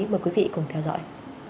mời quý vị cùng theo dõi